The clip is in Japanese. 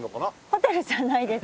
ホテルじゃないです。